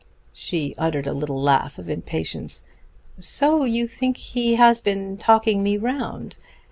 She uttered a little laugh of impatience. "So you think he has been talking me round!